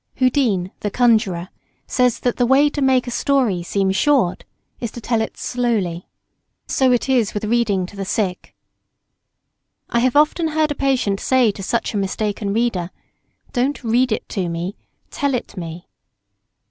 Houdin, the conjuror, says that the way to make a story seem short is to tell it slowly. So it is with reading to the sick. I have often heard a patient say to such a mistaken reader, "Don't read it to me; tell it me."